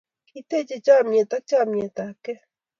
kiteje chamiet ak chamet ab kee